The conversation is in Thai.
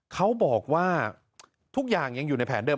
เขาบอกว่าทุกอย่างยังอยู่ในแผนเดิ